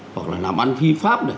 hoặc là làm ăn phi pháp